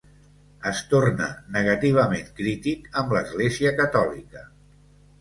Es tornà negativament crític amb l'Església Catòlica.